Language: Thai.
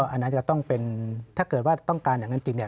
อันนั้นจะต้องเป็นถ้าเกิดว่าต้องการอย่างนั้นจริงเนี่ย